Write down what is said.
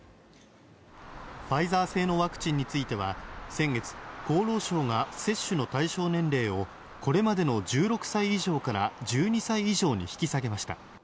ファイザー製のワクチンについては先月、厚労省が接種の対象年齢をこれまでの１６歳以上から１２歳以上に引き下げました。